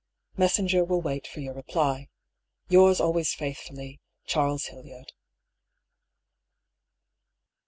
Messenger will wait for your reply. " Yours always faithfully, " Chas. Hildyard."